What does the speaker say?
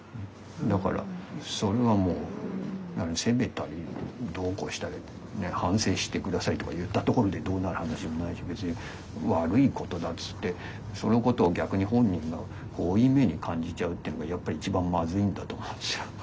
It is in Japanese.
だからそれはもう責めたりどうこうしたり反省して下さいとか言ったところでどうなる話でもないし別に悪いことだっていってそのことを逆に本人が負い目に感じちゃうっていうのがやっぱり一番まずいんだと。